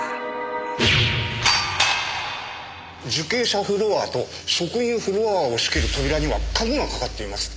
受刑者フロアと職員フロアを仕切る扉には鍵がかかっています。